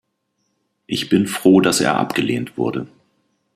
Ich bin froh, dass er abgelehnt wurde.